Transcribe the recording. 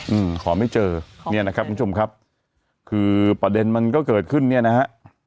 อืมขอไม่เจอเนี่ยนะครับคุณผู้ชมครับคือประเด็นมันก็เกิดขึ้นเนี่ยนะฮะ